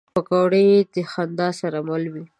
پکورې د خندا سره مل وي